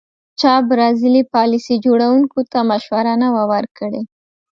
چا برازیلي پالیسي جوړوونکو ته مشوره نه وه ورکړې.